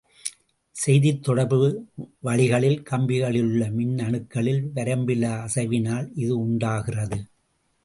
செய்தித்தொடர்பு வழிகளில் கம்பிகளிலுள்ள மின்னணுக்களில் வரம்பிலா அசைவினால் இது உண்டாகிறது.